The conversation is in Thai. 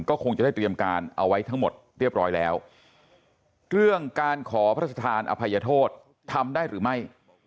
ก็คงจะได้เตรียมการเอาไว้ทั้งหมดเรียบร้อยแล้วเรื่องการขอพระราชทานอภัยโทษทำได้หรือไม่